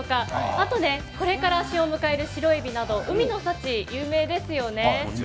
あと、これから旬を迎える白えびなど海の幸が有名ですよね。